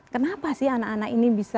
kenapa sih anak anak ini bisa